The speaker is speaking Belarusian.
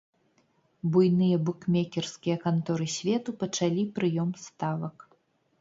Буйныя букмекерскія канторы свету пачалі прыём ставак.